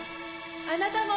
あなたも！